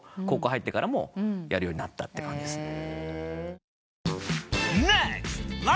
高校入ってからもやるようになったって感じです。